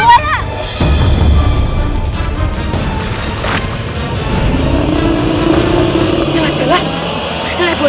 tidak ada yang bisa diberikan kebenaran